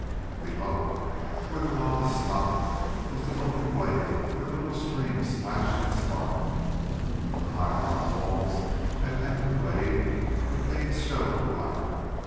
And below, where the lava stopped, was the open glade where the little stream splashed and sparkled: in the high rock walls that hemmed the glade the caves showed black.